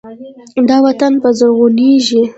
دا وطن به زرغونیږي.